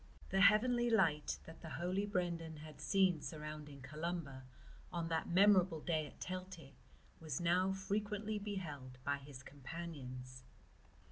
The heavenly light that the holy Brendan had seen surrounding Columba on that memorable day at Teilte was now frequently beheld by his companions.